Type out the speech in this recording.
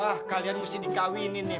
wah kalian mesti dikawinin nih